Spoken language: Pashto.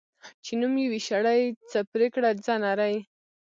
چی نوم یی وی شړي ، څه پریکړه ځه نري .